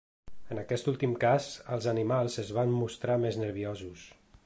En aquest últim cas, els animals es van mostrar més nerviosos.